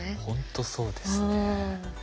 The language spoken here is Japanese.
ほんとそうですね。